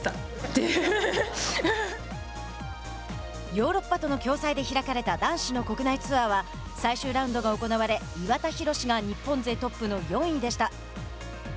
ヨーロッパとの共催で開かれた男子の国内ツアーは最終ラウンドが行われ岩田寛が日本勢トップの４位でした。